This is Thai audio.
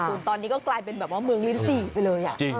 ตอนนี้ก็กลายเป็นแบบว่าเมืองลิ้นจี่ไปเลย